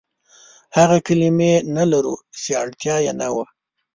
هغه کلمې نه لرو، چې اړتيا يې نه وه.